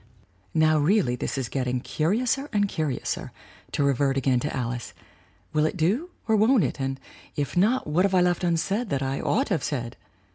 "(Now, really this is getting 'curiouser and curi ouser,' to revert again to Alice. Will it do or won't it? And, if not, what have I left unsaid that I ought to have said?